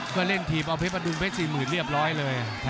ก็เล่นทีบเอาเพชรประดุมเพชร๔๐๐๐๐เรียบร้อยเลย